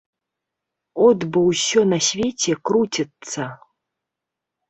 От бо ўсё на свеце круціцца.